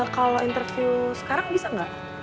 kalau interview sekarang bisa nggak